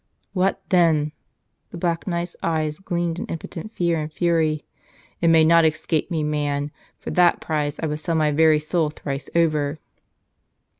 "What then!" The Black Knight's eyes gleamed in impotent fear and fury. "It may not escape me, man ! For that prize I would sell my very soul thrice over!"